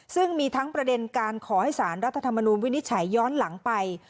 ซึ่งมีทั้งประเด็นการขอให้สารรัฐธรรมนูลวินิจฉัยย้อนหลังไป